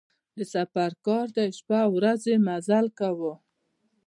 د سفر کار دی شپه او ورځ یې مزل کاوه.